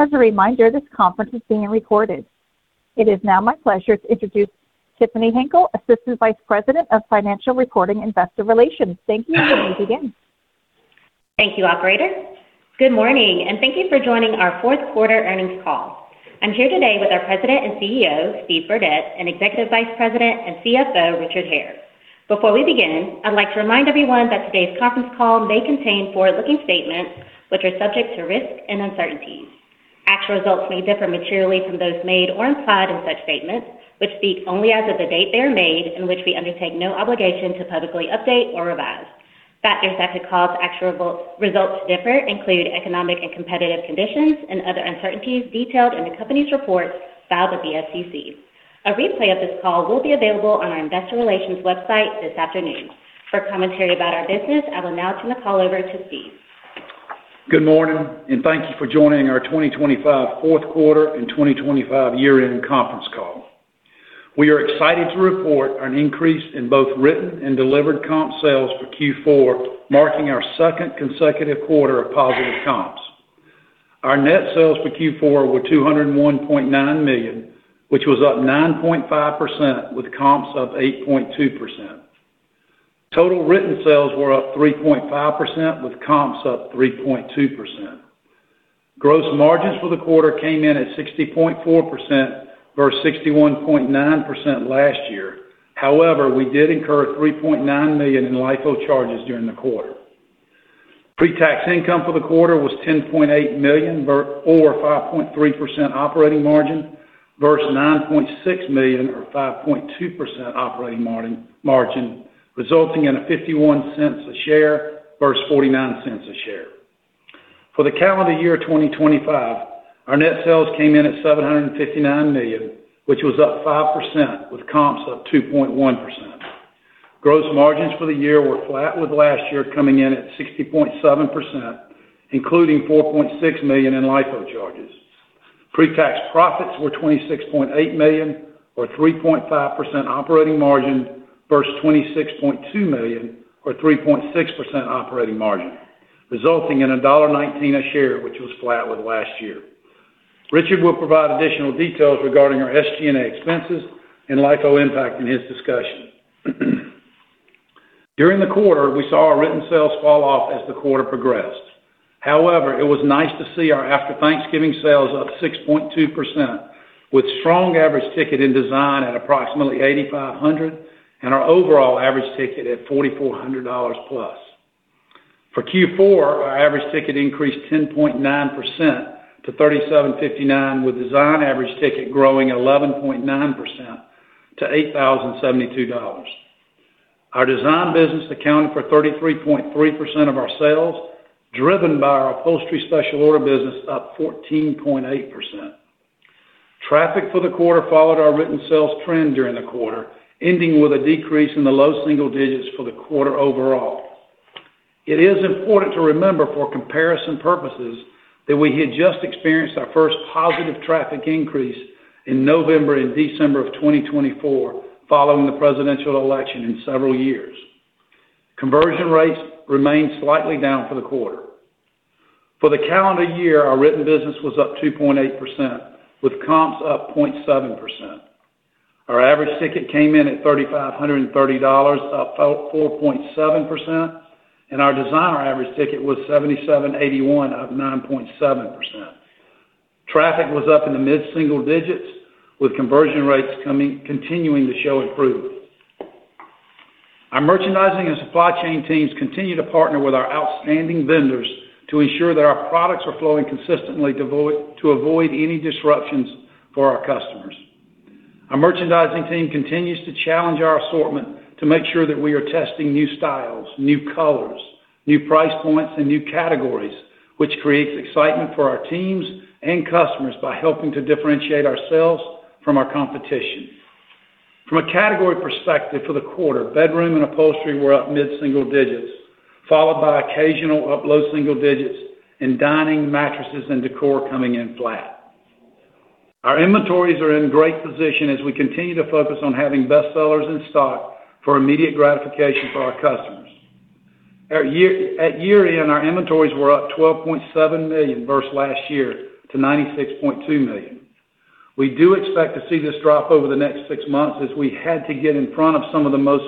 As a reminder, this conference is being recorded. It is now my pleasure to introduce Tiffany Hinkle, Assistant Vice President of Financial Reporting, Investor Relations. Thank you, and you may begin. Thank you, Operator. Good morning. Thank you for joining our fourth quarter earnings call. I'm here today with our President and CEO, Steve Burdette, and Executive Vice President and CFO, Richard Hare. Before we begin, I'd like to remind everyone that today's conference call may contain forward-looking statements which are subject to risk and uncertainties. Actual results may differ materially from those made or implied in such statements, which speak only as of the date they are made, and which we undertake no obligation to publicly update or revise. Factors that could cause actual results to differ include economic and competitive conditions and other uncertainties detailed in the company's reports filed with the SEC. A replay of this call will be available on our investor relations website this afternoon. For commentary about our business, I will now turn the call over to Steve. Good morning, thank you for joining our 2025 fourth quarter and 2025 year-end conference call. We are excited to report an increase in both written and delivered comp sales for Q4, marking our second consecutive quarter of positive comps. Our net sales for Q4 were $201.9 million, which was up 9.5%, with comps up 8.2%. Total written sales were up 3.5%, with comps up 3.2%. Gross margins for the quarter came in at 60.4% versus 61.9% last year. We did incur $3.9 million in LIFO charges during the quarter. Pre-tax income for the quarter was $10.8 million or 5.3% operating margin versus $9.6 million, or 5.2% operating margin, resulting in $0.51 a share versus $0.49 a share. For the calendar year 2025, our net sales came in at $759 million, which was up 5%, with comps up 2.1%. Gross margins for the year were flat, with last year coming in at 60.7%, including $4.6 million in LIFO charges. Pre-tax profits were $26.8 million, or 3.5% operating margin versus $26.2 million, or 3.6% operating margin, resulting in $1.19 a share, which was flat with last year. Richard will provide additional details regarding our SG&A expenses and LIFO impact in his discussion. During the quarter, we saw our written sales fall off as the quarter progressed. It was nice to see our after Thanksgiving sales up 6.2%, with strong average ticket in design at approximately $8,500 and our overall average ticket at $4,400+. For Q4, our average ticket increased 10.9% to $3,759, with design average ticket growing 11.9% to $8,072. Our design business accounted for 33.3% of our sales, driven by our upholstery special order business, up 14.8%. Traffic for the quarter followed our written sales trend during the quarter, ending with a decrease in the low single digits for the quarter overall. It is important to remember, for comparison purposes, that we had just experienced our first positive traffic increase in November and December of 2024, following the presidential election in several years. Conversion rates remained slightly down for the quarter. For the calendar year, our written business was up 2.8%, with comp sales up 0.7%. Our average ticket came in at $3,530, up 4.7%, and our designer average ticket was $7,781, up 9.7%. Traffic was up in the mid-single digits, with conversion rates continuing to show improvement. Our merchandising and supply chain teams continue to partner with our outstanding vendors to ensure that our products are flowing consistently to avoid any disruptions for our customers. Our merchandising team continues to challenge our assortment to make sure that we are testing new styles, new colors, new price points, and new categories, which creates excitement for our teams and customers by helping to differentiate ourselves from our competition. From a category perspective for the quarter, bedroom and upholstery were up mid-single digits, followed by occasional up low single digits, and dining, mattresses, and decor coming in flat. Our inventories are in great position as we continue to focus on having best sellers in stock for immediate gratification for our customers. At year-end, our inventories were up $12.7 million versus last year to $96.2 million. We do expect to see this drop over the next 6 months, as we had to get in front of some of the most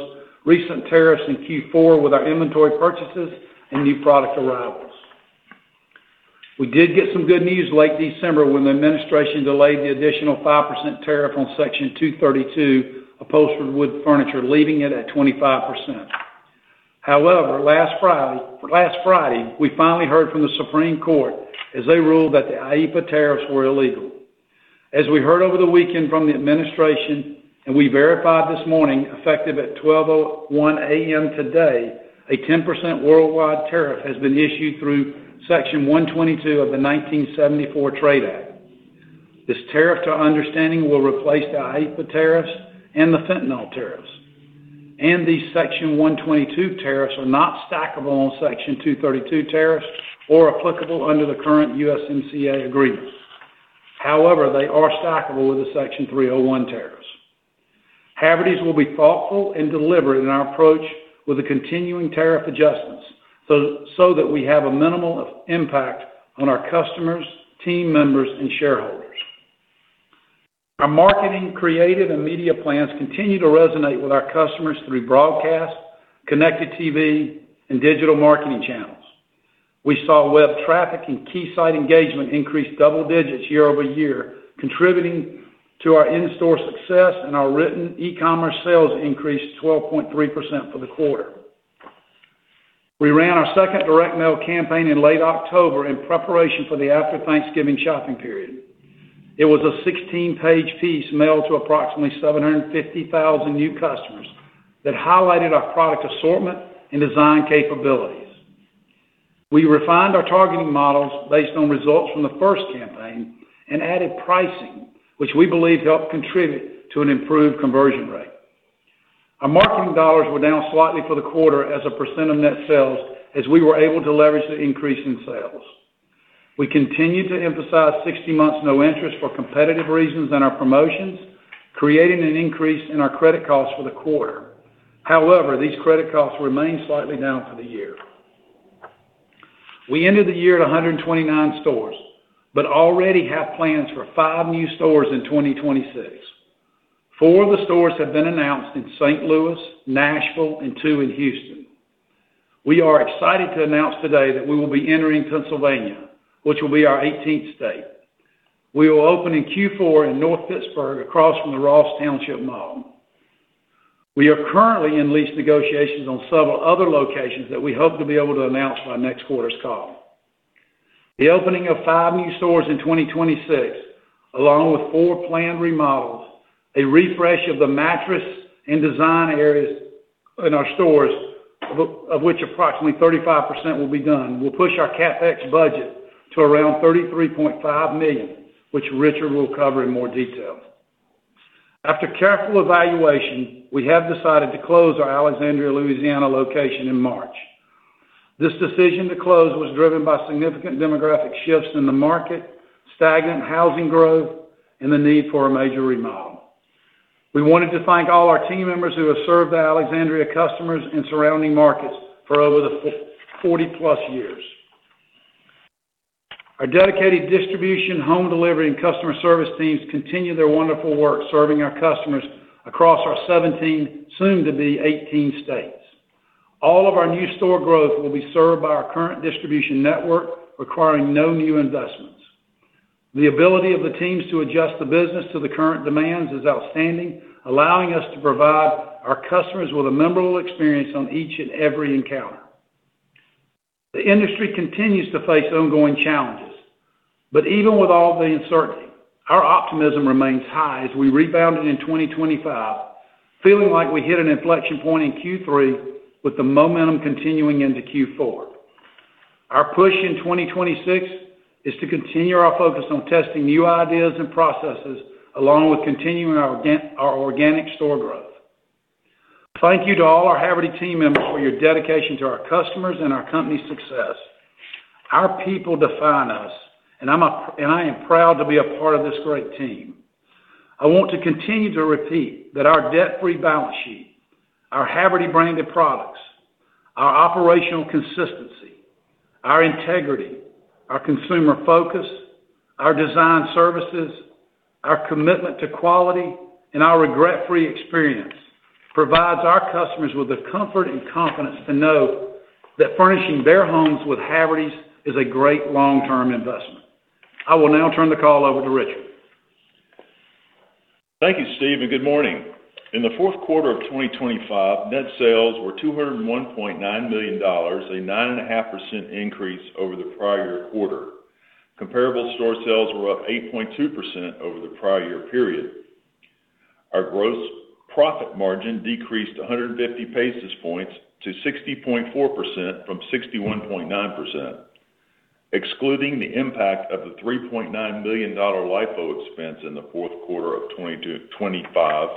recent tariffs in Q4 with our inventory purchases and new product arrivals. We did get some good news late December, when the administration delayed the additional 5% tariff on Section 232, upholstered wood furniture, leaving it at 25%. Last Friday, we finally heard from the Supreme Court as they ruled that the IEEPA tariffs were illegal. As we heard over the weekend from the administration and we verified this morning, effective at 12:01 A.M. today, a 10% worldwide tariff has been issued through Section 122 of the 1974 Trade Act. This tariff to understanding will replace the IEEPA tariffs and the fentanyl tariffs, and these Section 122 tariffs are not stackable on Section 232 tariffs or applicable under the current USMCA agreement. They are stackable with the Section 301 tariffs. Havertys will be thoughtful and deliberate in our approach with the continuing tariff adjustments, so that we have a minimal impact on our customers, team members, and shareholders. Our marketing, creative, and media plans continue to resonate with our customers through broadcast, connected TV, and digital marketing channels. We saw web traffic and key site engagement increase double digits year-over-year, contributing to our in-store success, and our written e-commerce sales increased 12.3% for the quarter. We ran our second direct mail campaign in late October in preparation for the after Thanksgiving shopping period. It was a 16-page piece mailed to approximately 750,000 new customers, that highlighted our product assortment and design capabilities. We refined our targeting models based on results from the first campaign and added pricing, which we believe helped contribute to an improved conversion rate. Our marketing dollars were down slightly for the quarter as a % of net sales, as we were able to leverage the increase in sales. We continued to emphasize 60 months no interest for competitive reasons in our promotions, creating an increase in our credit costs for the quarter. However, these credit costs remain slightly down for the year. We ended the year at 129 stores, but already have plans for 5 new stores in 2026. 4 of the stores have been announced in St. Louis, Nashville, and 2 in Houston. We are excited to announce today that we will be entering Pennsylvania, which will be our 18th state. We will open in Q4 in North Pittsburgh, across from the Ross Township Mall. We are currently in lease negotiations on several other locations that we hope to be able to announce by next quarter's call. The opening of five new stores in 2026, along with four planned remodels, a refresh of the mattress and design areas in our stores, of which approximately 35% will be done, will push our CapEx budget to around $33.5 million, which Richard will cover in more detail. After careful evaluation, we have decided to close our Alexandria, Louisiana, location in March. This decision to close was driven by significant demographic shifts in the market, stagnant housing growth, and the need for a major remodel. We wanted to thank all our team members who have served the Alexandria customers and surrounding markets for over 40-plus years. Our dedicated distribution, home delivery, and customer service teams continue their wonderful work serving our customers across our 17, soon to be 18, states. All of our new store growth will be served by our current distribution network, requiring no new investments. The ability of the teams to adjust the business to the current demands is outstanding, allowing us to provide our customers with a memorable experience on each and every encounter. The industry continues to face ongoing challenges, even with all the uncertainty, our optimism remains high as we rebounded in 2025, feeling like we hit an inflection point in Q3, with the momentum continuing into Q4. Our push in 2026 is to continue our focus on testing new ideas and processes, along with continuing our organic store growth. Thank you to all our Havertys team members for your dedication to our customers and our company's success. Our people define us, I am proud to be a part of this great team. I want to continue to repeat that our debt-free balance sheet, our Havertys-branded products, our operational consistency, our integrity, our consumer focus, our design services, our commitment to quality, and our regret-free experience provides our customers with the comfort and confidence to know that furnishing their homes with Havertys is a great long-term investment. I will now turn the call over to Richard. Thank you, Steve, and good morning. In the fourth quarter of 2025, net sales were $201.9 million, a 9.5% increase over the prior quarter. Comparable-store sales were up 8.2% over the prior year period. Our gross profit margin decreased 150 basis points to 60.4% from 61.9%. Excluding the impact of the $3.9 million LIFO expense in the fourth quarter of 2025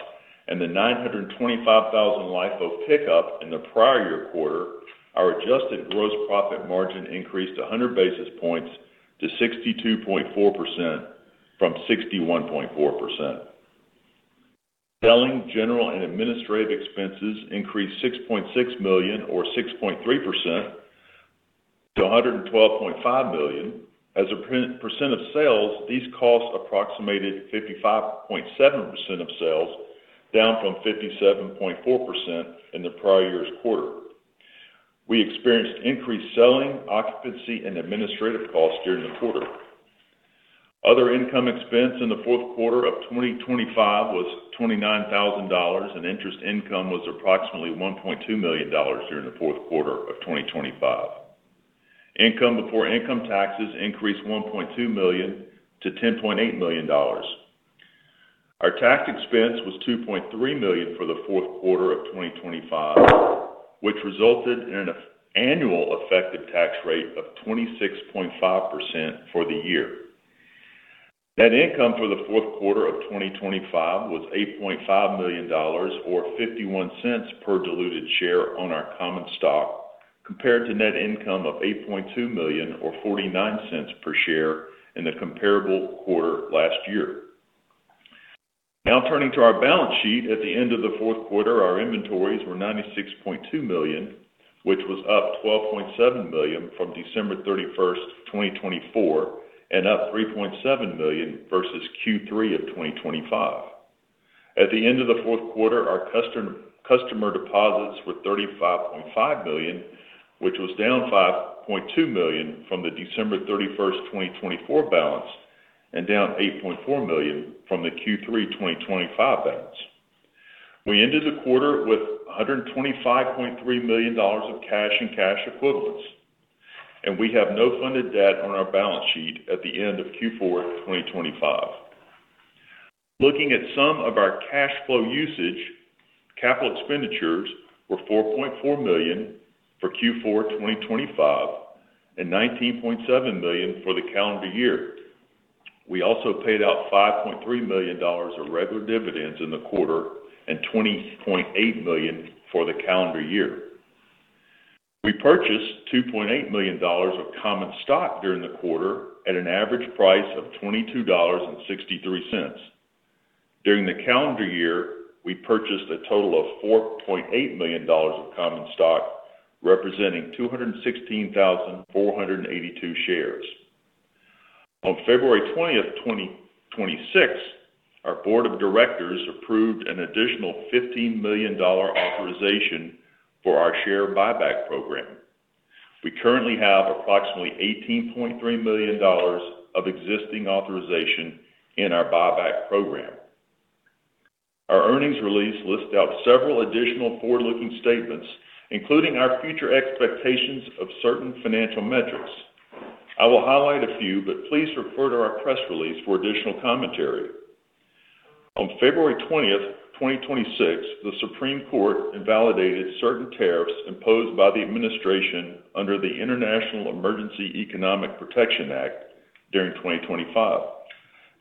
and the $925,000 LIFO pickup in the prior year quarter, our adjusted gross profit margin increased 100 basis points to 62.4% from 61.4%. Selling general and administrative expenses increased $6.6 million or 6.3% to $112.5 million. As a % of sales, these costs approximated 55.7% of sales, down from 57.4% in the prior year's quarter. We experienced increased selling, occupancy, and administrative costs during the quarter. Other income expense in the fourth quarter of 2025 was $29,000. Interest income was approximately $1.2 million during the fourth quarter of 2025. Income before income taxes increased $1.2 million to $10.8 million. Our tax expense was $2.3 million for the fourth quarter of 2025, which resulted in an annual effective tax rate of 26.5% for the year. Net income for the fourth quarter of 2025 was $8.5 million, or $0.51 per diluted share on our common stock. compared to net income of $8.2 million or $0.49 per share in the comparable quarter last year. Turning to our balance sheet. At the end of the fourth quarter, our inventories were $96.2 million, which was up $12.7 million from December 31, 2024, and up $3.7 million versus Q3 2025. At the end of the fourth quarter, our customer deposits were $35.5 million, which was down $5.2 million from the December 31, 2024 balance, and down $8.4 million from the Q3 2025 balance. We ended the quarter with $125.3 million of cash and cash equivalents, and we have no funded debt on our balance sheet at the end of Q4 2025. Looking at some of our cash flow usage, capital expenditures were $4.4 million for Q4 2025 and $19.7 million for the calendar year. We also paid out $5.3 million of regular dividends in the quarter and $20.8 million for the calendar year. We purchased $2.8 million of common stock during the quarter at an average price of $22.63. During the calendar year, we purchased a total of $4.8 million of common stock, representing 216,482 shares. On February 20, 2026, our board of directors approved an additional $15 million authorization for our share buyback program. We currently have approximately $18.3 million of existing authorization in our buyback program. Our earnings release lists out several additional forward-looking statements, including our future expectations of certain financial metrics. I will highlight a few, but please refer to our press release for additional commentary. On February 20th, 2026, the Supreme Court invalidated certain tariffs imposed by the administration under the International Emergency Economic Powers Act during 2025.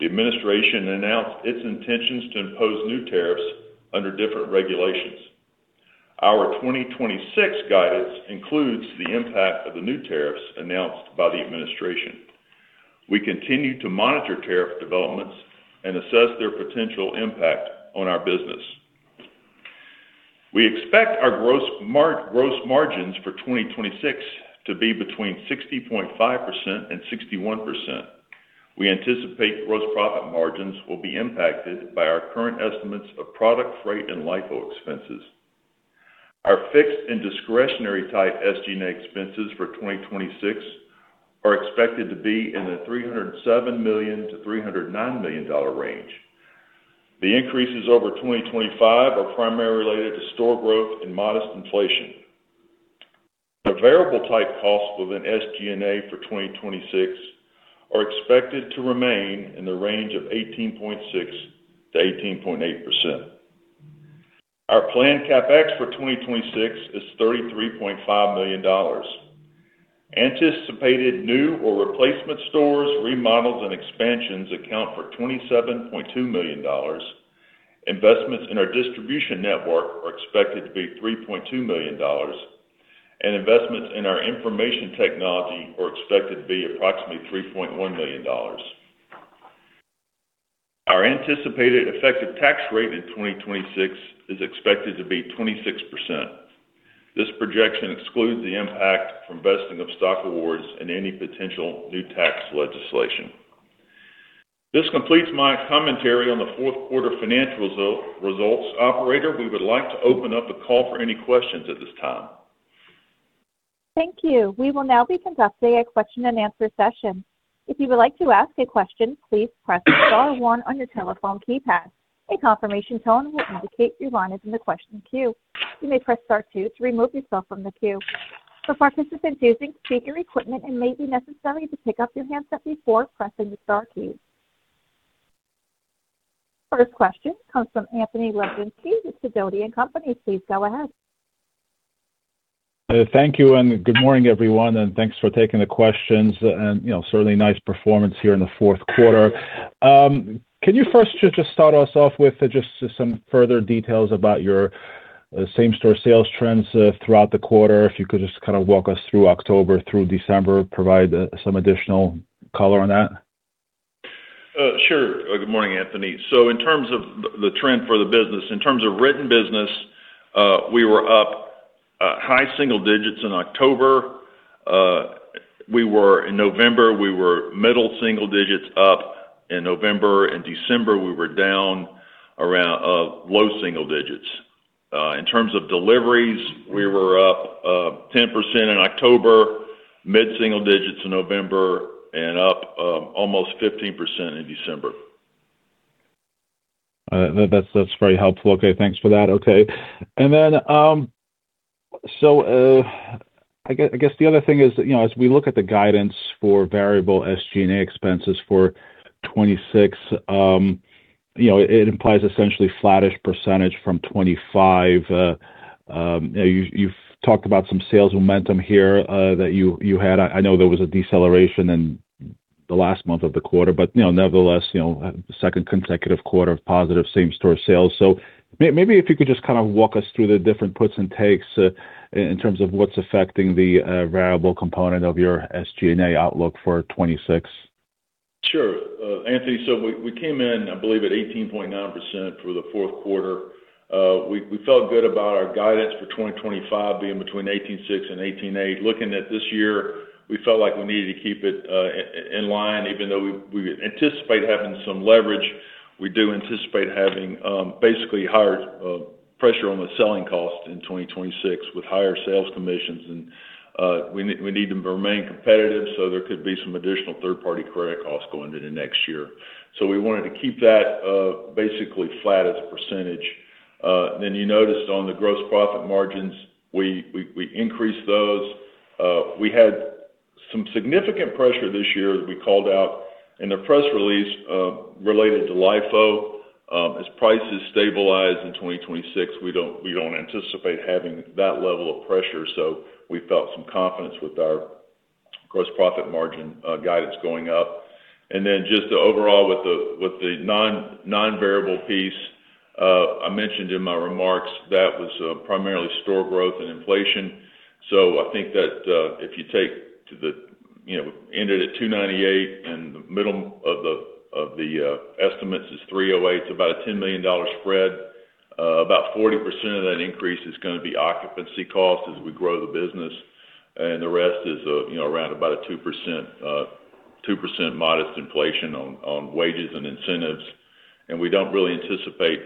The administration announced its intentions to impose new tariffs under different regulations. Our 2026 guidance includes the impact of the new tariffs announced by the administration. We continue to monitor tariff developments and assess their potential impact on our business. We expect our gross margins for 2026 to be between 60.5% and 61%. We anticipate gross profit margins will be impacted by our current estimates of product, freight, and LIFO expenses. Our fixed and discretionary type SGNA expenses for 2026 are expected to be in the $307 million-$309 million range. The increases over 2025 are primarily related to store growth and modest inflation. The variable-type costs within SGNA for 2026 are expected to remain in the range of 18.6%-18.8%. Our planned CapEx for 2026 is $33.5 million. Anticipated new or replacement stores, remodels, and expansions account for $27.2 million. Investments in our distribution network are expected to be $3.2 million, and investments in our information technology are expected to be approximately $3.1 million. Our anticipated effective tax rate in 2026 is expected to be 26%. This projection excludes the impact from vesting of stock awards and any potential new tax legislation. This completes my commentary on the fourth quarter financial results. Operator, we would like to open up the call for any questions at this time. Thank you. We will now be conducting a question-and-answer session. If you would like to ask a question, please press star one on your telephone keypad. A confirmation tone will indicate your line is in the question queue. You may press star two to remove yourself from the queue. For participants using speaker equipment, it may be necessary to pick up your handset before pressing the star key. First question comes from Anthony Lebiedzinski with Sidoti & Company. Please go ahead. Thank you, and good morning, everyone, and thanks for taking the questions. You know, certainly nice performance here in the fourth quarter. Can you first just start us off with just some further details about your same-store sales trends throughout the quarter? If you could just kind of walk us through October through December, provide some additional color on that. Sure. Good morning, Anthony. In terms of the trend for the business, in terms of written business, we were up high single digits in October. In November, we were middle single digits up. In November and December, we were down around low single digits. In terms of deliveries, we were up 10% in October, mid single digits in November, and up almost 15% in December. That's very helpful. Okay, thanks for that. Okay. I guess the other thing is, you know, as we look at the guidance for variable SG&A expenses for 26, you know, it implies essentially flattish % from 25. You've talked about some sales momentum here that you had. I know there was a deceleration in the last month of the quarter, but, you know, nevertheless, you know, the second consecutive quarter of positive same-store sales. Maybe if you could just kind of walk us through the different puts and takes in terms of what's affecting the variable component of your SG&A outlook for 26. Sure. Anthony, we came in, I believe, at 18.9% for the fourth quarter. We felt good about our guidance for 2025 being between 18.6% and 18.8%. Looking at this year, we felt like we needed to keep it in line, even though we anticipate having some leverage. We do anticipate having basically higher pressure on the selling cost in 2026, with higher sales commissions. We need to remain competitive, there could be some additional third-party credit costs going into next year. We wanted to keep that basically flat as a percentage. You noticed on the gross profit margins, we increased those. We had some significant pressure this year, as we called out in the press release, related to LIFO. As prices stabilize in 2026, we don't anticipate having that level of pressure, so we felt some confidence with our gross profit margin guidance going up. Just the overall with the non-variable piece, I mentioned in my remarks, that was primarily store growth and inflation. I think that if you take. You know, ended at $298, and the middle of the estimates is $308, so about a $10 million spread. About 40% of that increase is gonna be occupancy costs as we grow the business, and the rest is, you know, around about a 2% modest inflation on wages and incentives. We don't really anticipate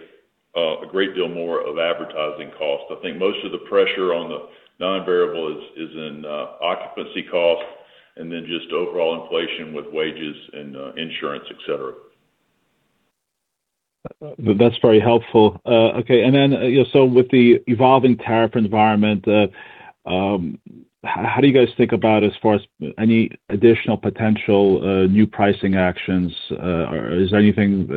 a great deal more of advertising costs. I think most of the pressure on the non-variable is in occupancy costs, and then just overall inflation with wages and insurance, et cetera. That's very helpful. Okay, with the evolving tariff environment, how do you guys think about as far as any additional potential, new pricing actions? Is there anything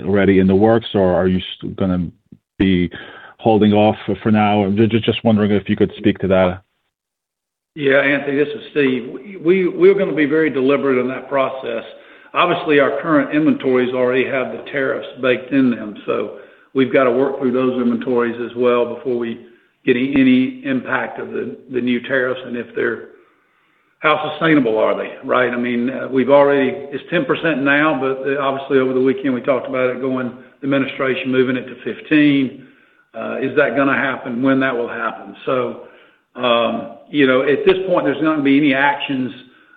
already in the works, or are you just gonna be holding off for now? Just wondering if you could speak to that? Yeah, Anthony, this is Steve. We're gonna be very deliberate in that process. Obviously, our current inventories already have the tariffs baked in them, so we've got to work through those inventories as well before we get any impact of the new tariffs. How sustainable are they, right? I mean, It's 10% now, but obviously, over the weekend, we talked about it going the administration moving it to 15%. Is that gonna happen? When that will happen? At this point, there's not gonna be any actions,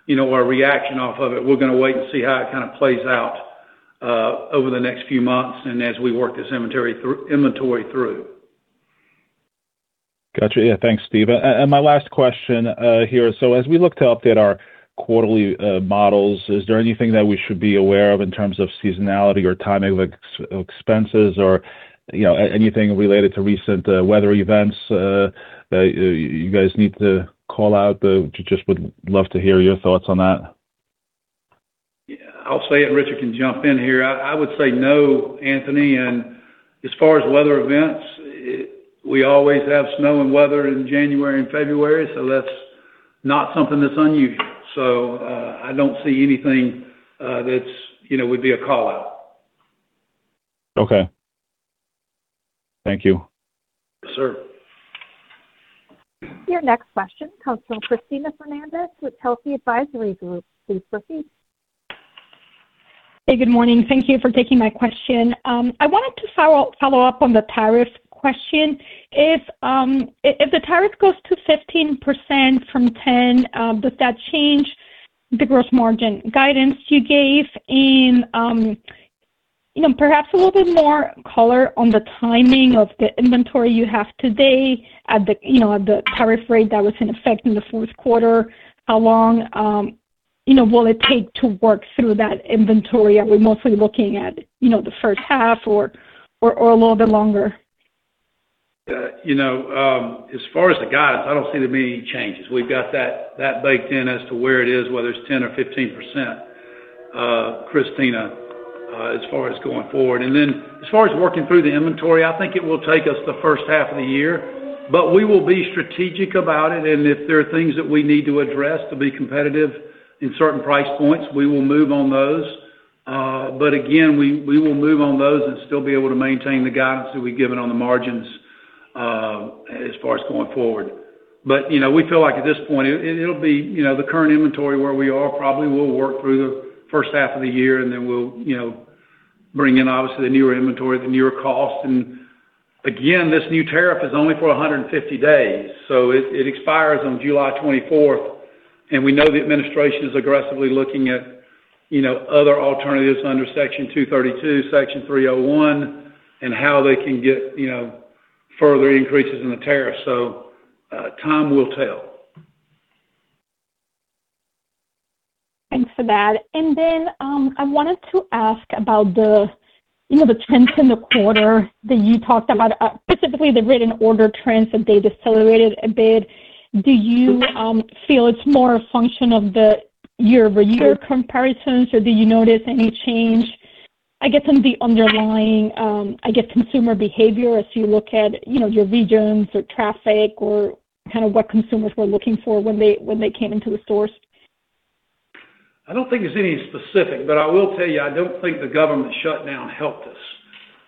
you know, or reaction off of it. We're gonna wait and see how it kind of plays out over the next few months and as we work this inventory through. Got you. Yeah, thanks, Steve. My last question, here: As we look to update our quarterly models, is there anything that we should be aware of in terms of seasonality or timing of expenses or, you know, anything related to recent weather events that you guys need to call out? Just would love to hear your thoughts on that. Yeah, I'll say it, Richard can jump in here. I would say no, Anthony. As far as weather events, we always have snow and weather in January and February, that's not something that's unusual. I don't see anything that's, you know, would be a call-out. Okay. Thank you. Yes, sir. Your next question comes from Cristina Fernandez with Telsey Advisory Group. Please proceed. Hey, good morning. Thank you for taking my question. I wanted to follow up on the tariff question. If the tariff goes to 15% from 10, does that change the gross margin guidance you gave? And, you know, perhaps a little bit more color on the timing of the inventory you have today at the, you know, at the tariff rate that was in effect in the fourth quarter. How long, you know, will it take to work through that inventory? Are we mostly looking at, you know, the first half or a little bit longer? You know, as far as the guidance, I don't see there being any changes. We've got that baked in as to where it is, whether it's 10% or 15%, Cristina, as far as going forward. Then, as far as working through the inventory, I think it will take us the first half of the year, but we will be strategic about it, and if there are things that we need to address to be competitive in certain price points, we will move on those. But again, we will move on those and still be able to maintain the guidance that we've given on the margins, as far as going forward. You know, we feel like at this point, it'll be, you know, the current inventory where we are probably will work through the first half of the year, and then we'll, you know, bring in, obviously, the newer inventory, the newer cost. Again, this new tariff is only for 150 days, so it expires on July 24th, and we know the administration is aggressively looking at, you know, other alternatives under Section 232, Section 301, and how they can get, you know, further increases in the tariff. Time will tell. Thanks for that. I wanted to ask about the, you know, the trends in the quarter that you talked about, specifically the written order trends, that they decelerated a bit. Do you feel it's more a function of the year-over-year comparisons, or do you notice any change? I guess some of the underlying, I guess consumer behavior as you look at, you know, your regions or traffic or kind of what consumers were looking for when they came into the stores? I don't think there's any specific, but I will tell you, I don't think the government shutdown helped us.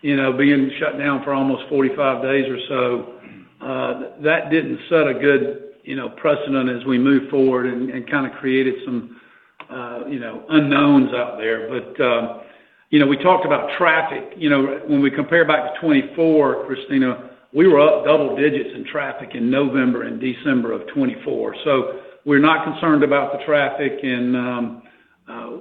You know, being shut down for almost 45 days or so, that didn't set a good, you know, precedent as we move forward and kind of created some, you know, unknowns out there. You know, we talked about traffic. You know, when we compare back to 2024, Christina, we were up double digits in traffic in November and December of 2024. We're not concerned about the traffic and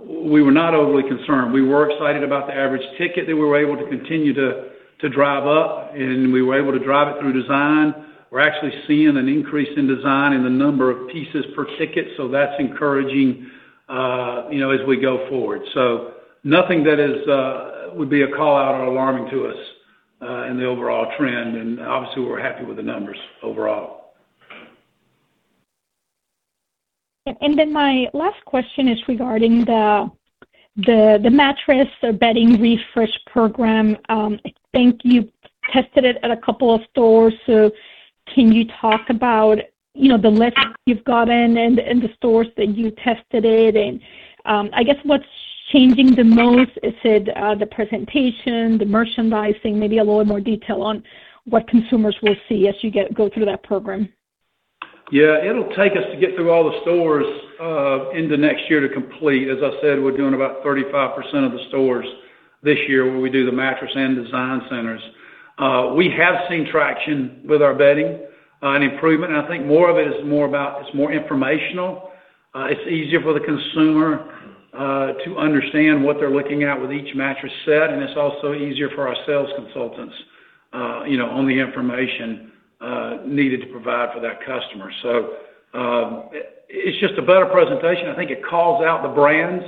we were not overly concerned. We were excited about the average ticket that we were able to continue to drive up, and we were able to drive it through design. We're actually seeing an increase in design in the number of pieces per ticket, so that's encouraging, you know, as we go forward. Nothing that is would be a call-out or alarming to us in the overall trend, and obviously, we're happy with the numbers overall. My last question is regarding the mattress or bedding refresh program. I think you tested it at a couple of stores. Can you talk about, you know, the lessons you've gotten and the stores that you tested it in? I guess what's changing the most, is it, the presentation, the merchandising? Maybe a little more detail on what consumers will see as you go through that program. Yeah, it'll take us to get through all the stores, into next year to complete. As I said, we're doing about 35% of the stores this year, where we do the mattress and design centers. We have seen traction with our bedding, and improvement, and I think more of it is more about, it's more informational. It's easier for the consumer, to understand what they're looking at with each mattress set, and it's also easier for our sales consultants, you know, on the information, needed to provide for that customer. It's just a better presentation. I think it calls out the brands,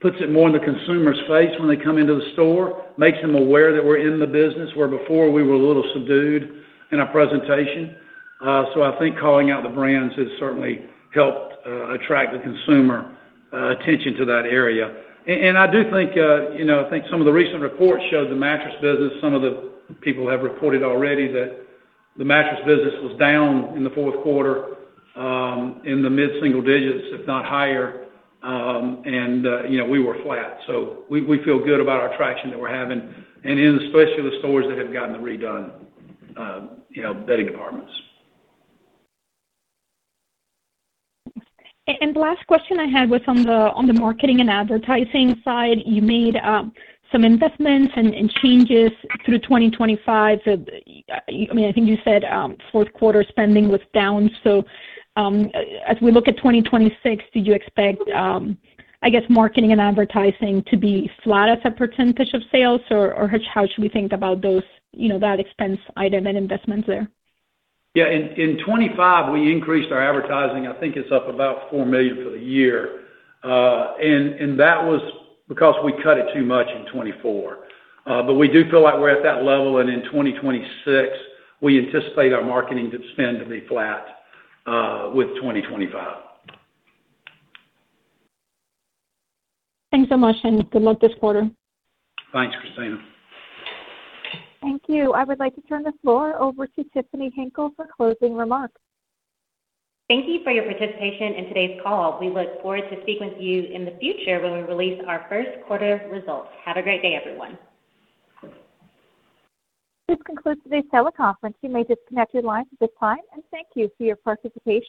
puts it more in the consumer's face when they come into the store, makes them aware that we're in the business, where before we were a little subdued in our presentation. I think calling out the brands has certainly helped attract the consumer attention to that area. I do think, you know, I think some of the recent reports showed the mattress business, some of the people have reported already that the mattress business was down in the fourth quarter in the mid-single digits, if not higher, and, you know, we were flat. We feel good about our traction that we're having, and in especially the stores that have gotten the redone, you know, bedding departments. The last question I had was on the marketing and advertising side. You made some investments and changes through 2025. I mean, I think you said fourth quarter spending was down. As we look at 2026, do you expect, I guess, marketing and advertising to be flat as a percentage of sales, or how should we think about those, you know, that expense item and investments there? Yeah, in 2025, we increased our advertising. I think it's up about $4 million for the year. That was because we cut it too much in 2024. We do feel like we're at that level, and in 2026, we anticipate our marketing spend to be flat with 2025. Thanks so much, and good luck this quarter. Thanks, Cristina. Thank you. I would like to turn the floor over to Tiffany Hinkle for closing remarks. Thank you for your participation in today's call. We look forward to speaking with you in the future when we release our first quarter results. Have a great day, everyone. This concludes today's teleconference. You may disconnect your lines at this time, and thank you for your participation.